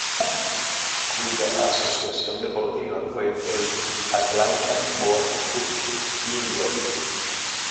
Cuya asociación deportiva fue el "Atalanta Boat Club, New York".